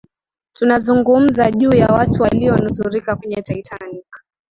tunazungumza juu ya watu waliyonusurika kwenye titanic